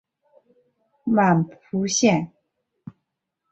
满浦线